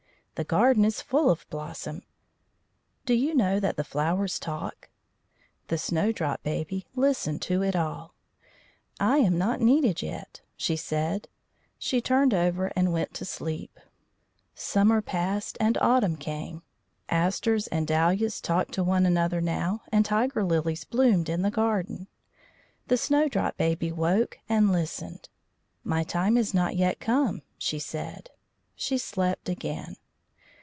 "The garden is full of blossom." Do you know that the flowers talk? The Snowdrop Baby listened to it all. "I am not needed yet," she said. She turned over and went to sleep. Summer passed, and autumn came. Asters and dahlias talked to one another now, and tiger lilies bloomed in the garden. The Snowdrop Baby woke and listened. "My time is not yet come," she said. She slept again.